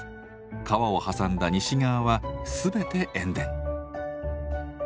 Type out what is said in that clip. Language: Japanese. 川を挟んだ西側は全て塩田。